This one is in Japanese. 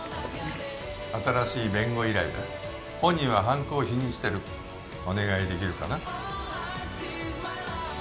新しい弁護依頼だ本人は犯行を否認してるお願いできるかな？